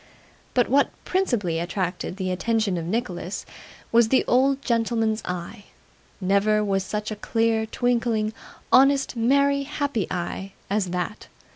But what principally attracted the attention of Nicholas was the old gentleman's eye, never was such a clear, twinkling, honest, merry, happy eye, as that.